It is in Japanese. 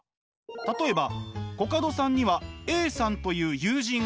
例えばコカドさんにはＡさんという友人がいたとします。